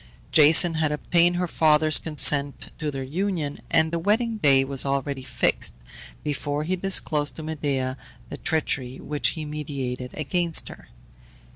Jason had obtained her father's consent to their union, and the wedding day was already fixed, before he disclosed to Medea the treachery which he meditated against her.